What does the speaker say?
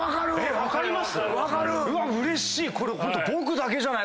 分かります